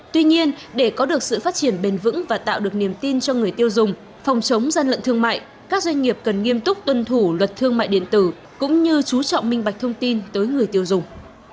tuy nhiên để có được sự phát triển bền vững và tạo được niềm tin cho người tiêu dùng phòng chống gian lận thương mại các doanh nghiệp cần nghiêm túc tuân thủ luật thương mại điện tử cũng như chú trọng minh bạch thông tin tới người tiêu dùng